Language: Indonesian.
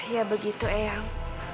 ya begitu eang